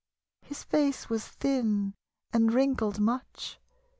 His face was thin and wrinkled much.